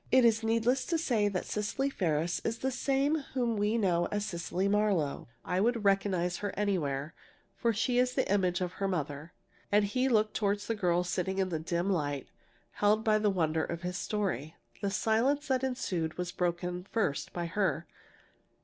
It is needless to say that Cecily Ferris is the same whom we know as Cecily Marlowe. I would recognize her anywhere, for she is the image of her mother." And he looked toward the girl sitting in the dim light, held by the wonder of his story. The silence that ensued was broken first by her.